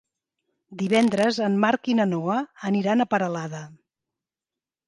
Divendres en Marc i na Noa aniran a Peralada.